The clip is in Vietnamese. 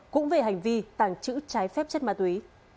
cũng về hành vi tàng trữ trái phép chất ma túy